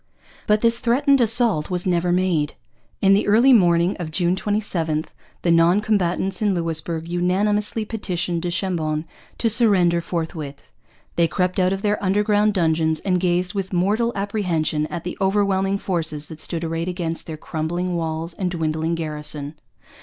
But this threatened assault was never made. In the early morning of June 27 the non combatants in Louisbourg unanimously petitioned du Chambon to surrender forthwith. They crept out of their underground dungeons and gazed with mortal apprehension at the overwhelming forces that stood arrayed against their crumbling walls and dwindling garrison.